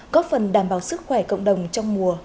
có phần đảm bảo sức khỏe cộng đồng trong mùa